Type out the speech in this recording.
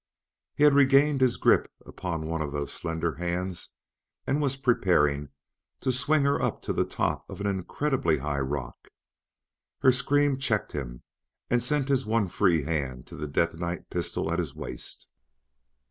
He had regained his grip upon one of those slender hands and was preparing to swing her up to the top of an incredibly high rock. Her scream checked him and sent his one free hand to the detonite pistol at his waist.